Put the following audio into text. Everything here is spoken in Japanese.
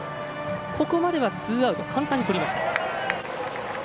ここまではツーアウト簡単にとりました。